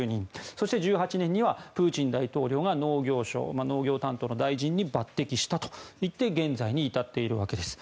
そして１８年にはプーチン大統領が農業相農業担当の大臣に抜てきして現在に至っているわけです。